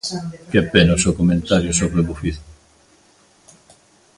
¡Que pena o seu comentario sobre o bufido!